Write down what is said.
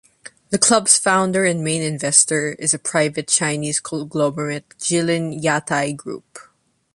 The club's founder and main investor is the private Chinese conglomerate Jilin Yatai Group.